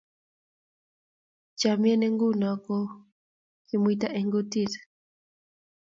chamiet ne ng'un ko u kumiat eng' kutit